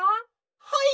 「はい！